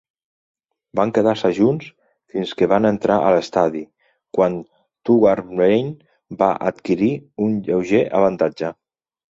Van quedar-se junts fins que van entrar a l'estadi, quan Thugwane va adquirir un lleuger avantatge.